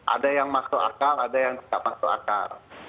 ada yang masuk akal ada yang tidak masuk akal